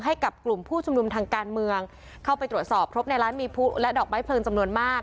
ให้กับกลุ่มผู้ชุมนุมทางการเมืองเข้าไปตรวจสอบพบในร้านมีผู้และดอกไม้เพลิงจำนวนมาก